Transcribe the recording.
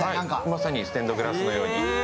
まさにステンドグラスのように。